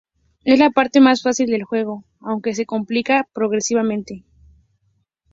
Es la parte más fácil del juego, aunque se complica progresivamente.